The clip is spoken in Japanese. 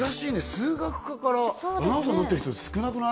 数学科からアナウンサーなってる人少なくない？